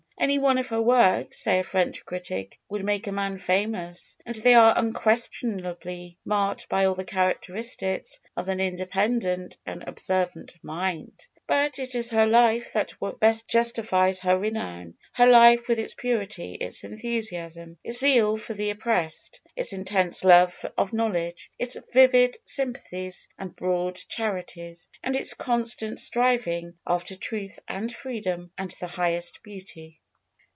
Any one of her works, says a French critic, would make a man famous; and they are unquestionably marked by all the characteristics of an independent and observant mind. But it is her life that best justifies her renown her life with its purity, its enthusiasm, its zeal for the oppressed, its intense love of knowledge, its vivid sympathies and broad charities, and its constant striving after truth and freedom, and the highest beauty.